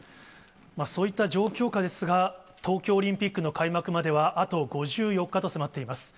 そういった状況下ですが、東京オリンピックの開幕までは、あと５４日と迫っています。